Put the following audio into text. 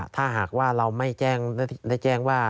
ถ้าหากว่าเราไม่ได้แจ้งว่า